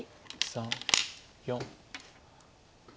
３４。